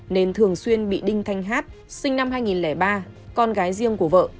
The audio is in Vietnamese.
nên thường xuyên bị đinh thanh hát sinh năm hai nghìn ba con gái riêng của vợ